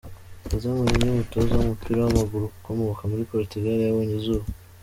José Mourinho, umutoza w’umupira w’amaguru ukomoka muri Portugal yabonye izuba.